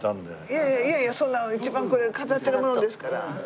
いやいやいやいやそんな一番これ飾ってるものですから。